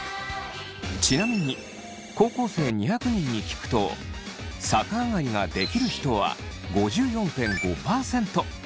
ちなみに高校生２００人に聞くと逆上がりができる人は５４．５％。